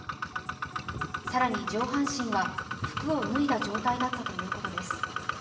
更に上半身は、服を脱いだ状態だったということです。